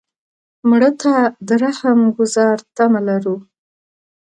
مړه ته د رحم ګذار تمه لرو